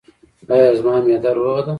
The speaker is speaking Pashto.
ایا زما معده روغه ده؟